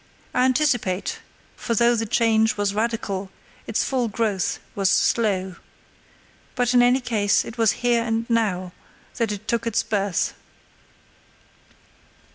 I anticipate; for though the change was radical its full growth was slow. But in any case it was here and now that it took its birth.